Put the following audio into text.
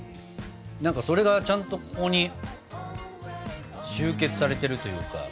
それがちゃんとここに集結されてるというか。